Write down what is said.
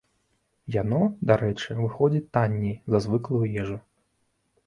Яно, дарэчы, выходзіць танней за звыклую ежу.